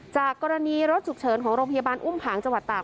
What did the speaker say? จากกรณีรถฉุกเฉินของโรงพยาบาลอุ้มผางจังหวัดตาก